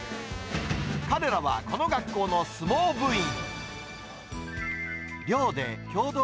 彼らはこの学校の相撲部員。